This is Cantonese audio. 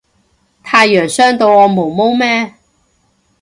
太陽傷到我毛毛咩